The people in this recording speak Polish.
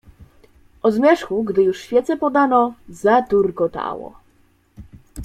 "O zmierzchu, gdy już świece podano, zaturkotało."